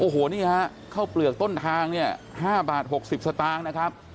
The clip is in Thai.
โอ้โหนี่ฮะข้าวเปลือกต้นทางเนี่ย๕บาท๖๐สตางค์นะครับ